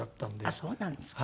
あっそうなんですか。